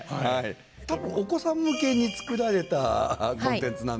多分お子さん向けに作られたコンテンツなんですよね。